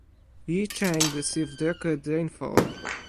Yicheng received record rainfall.